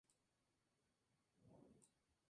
Su hábitat natural son las selvas nebulosas.